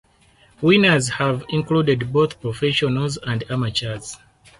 Winners have included both professionals and amateurs.